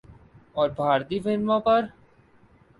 اور بھارتی فلموں پر